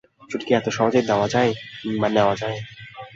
ছুটি কি এতই সহজে দেওয়া যায় কিম্বা নেওয়া যায়?